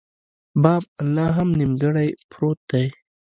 باب لا هم نیمګړۍ پروت دی.